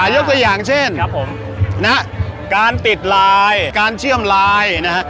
ยกตัวอย่างเช่นนะครับการติดลายการเชื่อมลายนะครับ